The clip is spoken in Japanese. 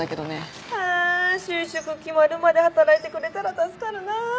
ああ就職決まるまで働いてくれたら助かるなあ。